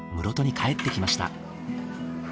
室戸に帰ってきました。